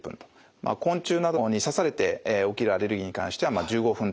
昆虫などに刺されて起きるアレルギーに関しては１５分程度。